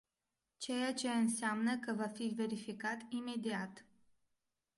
Ceea ce înseamnă că va fi verificat imediat.